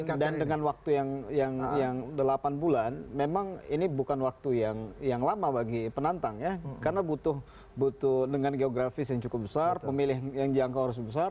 iya dan dengan waktu yang delapan bulan memang ini bukan waktu yang lama bagi penantang ya karena butuh dengan geografis yang cukup besar pemilih yang jangkau harus besar